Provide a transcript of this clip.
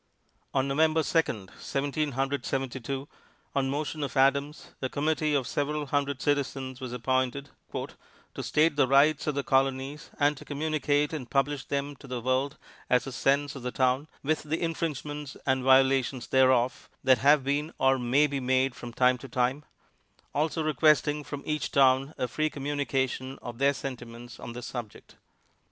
On November Second, Seventeen Hundred Seventy two, on motion of Adams, a committee of several hundred citizens was appointed "to state the Rights of the Colonies and to communicate and publish them to the World as the sense of the Town, with the infringements and violations thereof that have been or may be made from time to time; also requesting from each Town a free communication of their sentiments on this Subject."